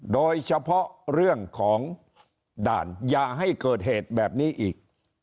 โดยเฉพาะเรื่องของด่านอย่าให้เกิดเหตุแบบนี้อีก